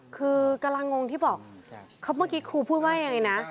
คือกำลังงงที่บอกเมื่อกี้ครูพูดว่ายังไงนะ